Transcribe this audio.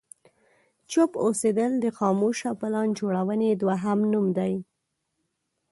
چوپ اوسېدل د خاموشه پلان جوړونې دوهم نوم دی.